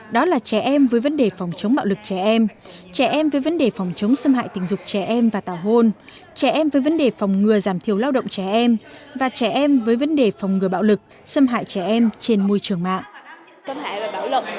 đó là trẻ em với vấn đề phòng chống bạo lực trẻ em trẻ em với vấn đề phòng chống xâm hại tình dục trẻ em và tàu hôn trẻ em với vấn đề phòng ngừa giảm thiểu lao động trẻ em và trẻ em với vấn đề phòng ngừa bạo lực xâm hại trẻ em trên môi trường mạng